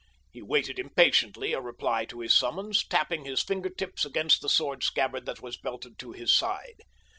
He waited impatiently a reply to his summons, tapping his finger tips against the sword scabbard that was belted to his side.